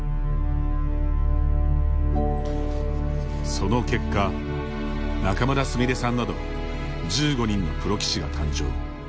その結果仲邑菫さんなど１５人のプロ棋士が誕生。